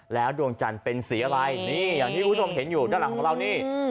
แล้วดวงจันทร์เป็นสีอะไรนี่อย่างที่คุณผู้ชมเห็นอยู่ด้านหลังของเรานี่